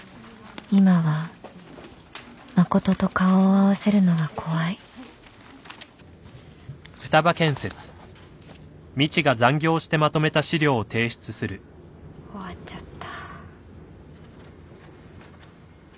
今は誠と顔を合わせるのが怖い終わっちゃった。